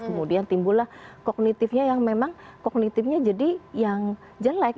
kemudian timbullah kognitifnya yang memang kognitifnya jadi yang jelek